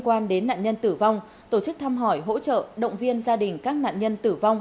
quan đến nạn nhân tử vong tổ chức thăm hỏi hỗ trợ động viên gia đình các nạn nhân tử vong